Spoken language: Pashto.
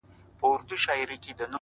o د ښار په جوارگرو باندي واوښتلې گراني ؛